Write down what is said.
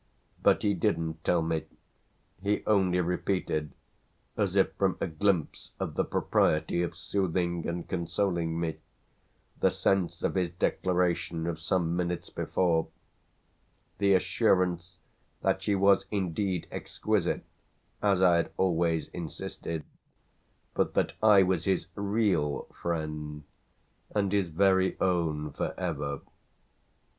But he didn't tell me; he only repeated, as if from a glimpse of the propriety of soothing and consoling me, the sense of his declaration of some minutes before the assurance that she was indeed exquisite, as I had always insisted, but that I was his "real" friend and his very own for ever.